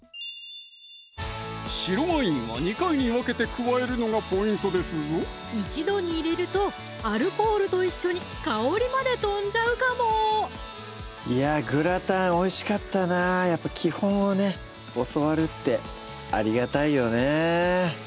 白ワインは２回に分けて加えるのがポイントですぞ一度に入れるとアルコールと一緒に香りまでとんじゃうかもいやグラタンおいしかったなやっぱ基本をね教わるってありがたいよね